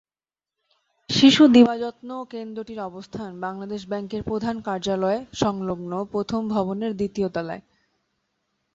শিশু দিবাযত্ন কেন্দ্রটির অবস্থান বাংলাদেশ ব্যাংকের প্রধান কার্যালয়-সংলগ্ন প্রথম ভবনের দ্বিতীয় তলায়।